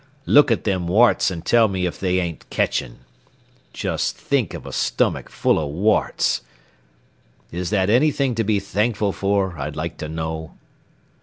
Look at them warts an' tell me if they ain't ketchin'. Jest think of a stomach full o' warts. Is that anything to be thankful for, I'd like to know."